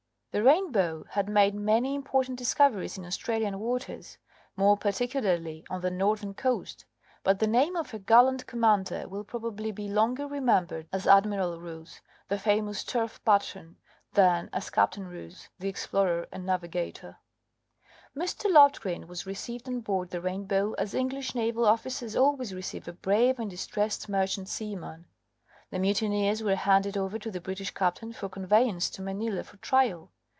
The Rainbow had made many important discoveries in Australian waters, more particularly on the northern coast, but the name of her gallant commander will probably be longer remembered as Admiral Rous, the famous turf patron, than as Captain Rous the explorer and navigator. Mr. Loftgreen was received on board the Rainbow as English naval officers always receive a brave and distressed merchant seaman. The mutineers were handed over to the British captain for conveyance to Manila for trial.